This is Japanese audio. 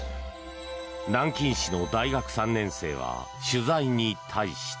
南京市の大学３年生は取材に対して。